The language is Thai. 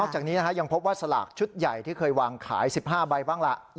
จากนี้ยังพบว่าสลากชุดใหญ่ที่เคยวางขาย๑๕ใบบ้างล่ะ